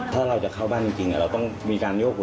ถ้าเราจะเข้าบ้านจริงเราต้องมีการโยกหัว